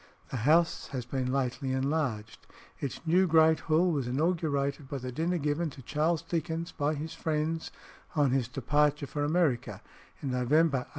The house has been lately enlarged. Its new great Hall was inaugurated by the dinner given to Charles Dickens by his friends on his departure for America in November 1857.